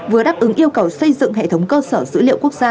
vừa đáp ứng yêu cầu xây dựng hệ thống cơ sở dữ liệu quốc gia